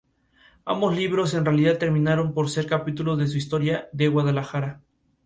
Ambos libros en realidad terminaron por ser capítulos de su historia de Guadalajara.